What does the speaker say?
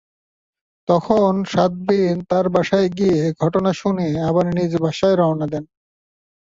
তখন সাদবীন তাঁর বাসায় গিয়ে ঘটনা শুনে আবার নিজ বাসায় রওনা দেন।